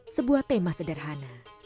sebuah tema sederhana